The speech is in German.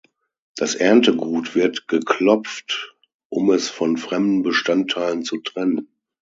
Das Erntegut wird geklopft, um es von fremden Bestandteilen zu trennen.